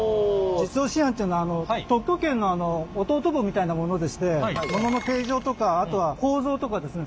実用新案というのは特許権の弟分みたいなものでしてものの形状とかあとは構造とかですね